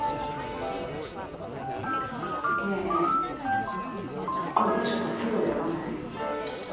ねぇ今度ちょっと外で会わない？